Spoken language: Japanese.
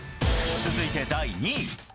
続いて第２位。